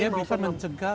dia bisa mencegah